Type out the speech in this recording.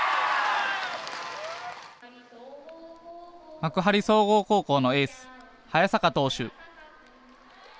幕張総合高校のエース、早坂投手。